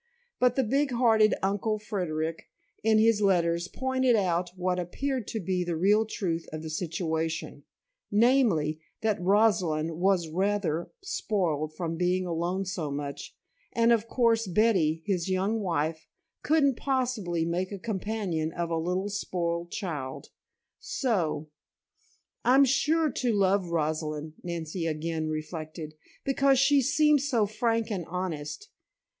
But the big hearted Uncle Frederic, in his letters pointed out what appeared to be the real truth of the situation, namely: that Rosalind was rather spoiled from being alone so much, and, of course, Betty, his young wife, couldn't possibly make a companion of a little spoiled child, so "I'm sure to love Rosalind," Nancy again reflected, "because she seems so frank and honest.